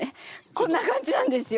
こんな感じなんですよ。